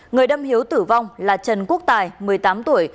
người đâm hiếu tử vong là trần quốc tài một mươi tám tuổi